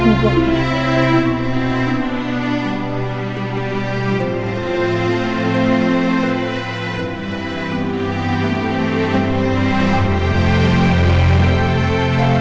itu panther sama wulan